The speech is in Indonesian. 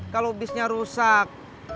kalau bisnya rusak